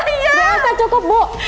biasa cukup bu